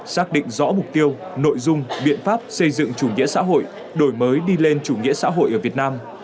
xác định rõ mục tiêu nội dung biện pháp xây dựng chủ nghĩa xã hội đổi mới đi lên chủ nghĩa xã hội ở việt nam